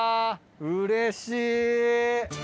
うれしい。